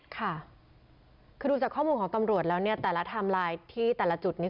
ค่ะคือดูจากข้อมูลของตำรวจแล้วเนี่ยแต่ละไทม์ไลน์ที่แต่ละจุดนี้